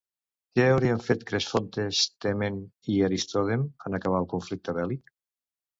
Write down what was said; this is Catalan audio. Què haurien fet Cresfontes, Temen i Aristodem en acabar el conflicte bèl·lic?